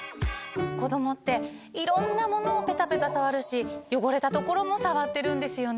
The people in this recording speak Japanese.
こどもっていろんなものをペタペタ触るし汚れた所も触ってるんですよね。